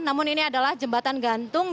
namun ini adalah jembatan gantung